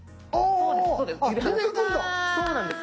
そうなんです。